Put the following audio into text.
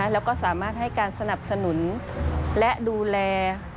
แล้วก็สามารถให้การสนับสนุนและดูแล